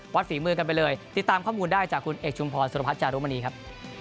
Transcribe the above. ฝีมือกันไปเลยติดตามข้อมูลได้จากคุณเอกชุมพรสุรพัฒน์จารุมณีครับ